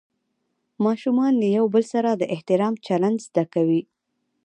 ماشومان له یو بل سره د احترام چلند زده کوي